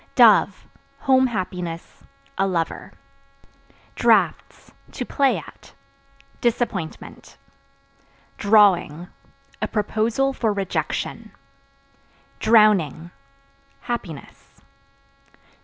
Dove Home happiness, a lover. Draughts (To play at) disappointment. Drawing A proposal for rejection. Drowning Happiness.